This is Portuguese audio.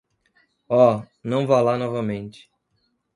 Oh, não vá lá novamente.